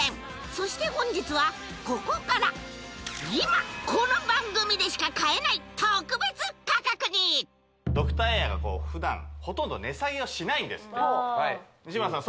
そして本日はここから今この番組でしか買えない特別価格にドクターエアが普段ほとんど値下げをしないんですって西村さん